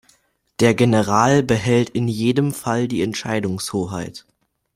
Der General behält in jedem Fall die Entscheidungshoheit.